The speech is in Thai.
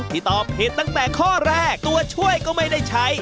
ตอบผิดตั้งแต่ข้อแรกตัวช่วยก็ไม่ได้ใช้